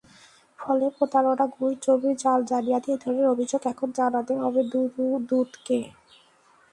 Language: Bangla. ফলে প্রতারণা, ঘুষ, জমির জাল-জালিয়াতি—এ ধরনের অভিযোগ এখন জানাতে হবে দুদকে।